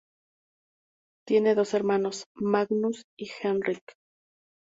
Tiene dos hermanos, Magnus y Henrik.